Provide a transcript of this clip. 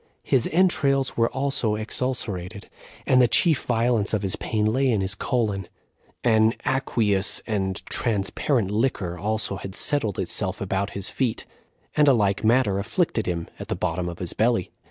His entrails were also ex ulcerated, and the chief violence of his pain lay on his colon; an aqueous and transparent liquor also had settled itself about his feet, and a like matter afflicted him at the bottom of his belly.